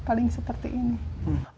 paling seperti ini